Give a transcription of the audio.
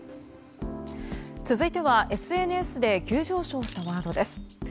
続いてはＳＮＳで急上昇したワードです。